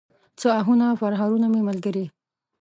څه آهونه، پرهرونه مې ملګري